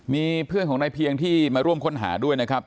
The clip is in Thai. มีเพื่อนของนายเพียงที่มาร่วมค้นหาด้วยนะครับ